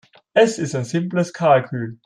Es ist ein simples Kalkül.